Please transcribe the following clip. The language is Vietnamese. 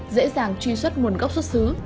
dễ dàng truy xuất nguồn gốc xuất xứ